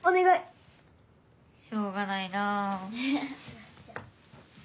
しょうがないな。